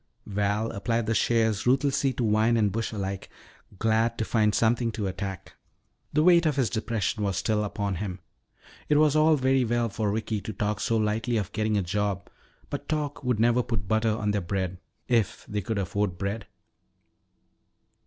Val applied the shears ruthlessly to vine and bush alike, glad to find something to attack. The weight of his depression was still upon him. It was all very well for Ricky to talk so lightly of getting a job, but talk would never put butter on their bread if they could afford bread.